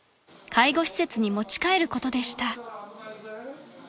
介護施設に持ち帰ることでした］